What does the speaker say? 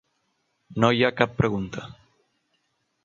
No hi ha cap pregunta.